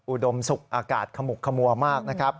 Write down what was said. อุดมศุกร์อากาศขมุกขมัวมากนะครับ